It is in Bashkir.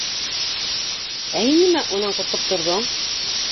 — Ә һин нимә унан ҡурҡып торҙоң!